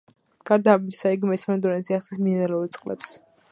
გარდა ამისა, იგი მეცნიერულ დონეზე აღწერს მინერალურ წყლებს.